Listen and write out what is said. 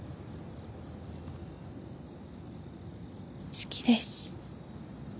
好きです。